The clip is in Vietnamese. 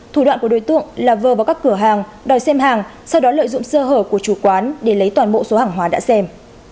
thủ đoạn của đối tượng là vờ vào các cửa hàng đòi xem hàng sau đó lợi dụng sơ hở của chủ quán để lấy toàn bộ số hàng hóa đã xem